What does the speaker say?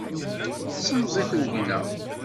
Semẓi tugna.